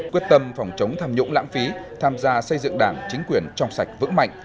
quyết tâm phòng chống tham nhũng lãng phí tham gia xây dựng đảng chính quyền trong sạch vững mạnh